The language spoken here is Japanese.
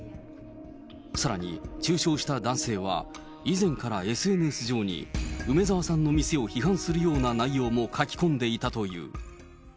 さらに中傷した男性は以前からＳＮＳ上に、梅澤さんの店を批判するような内容も書き込んでいたという。